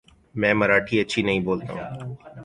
میں مراٹھی اچھی نہیں بولتا ہوں ـ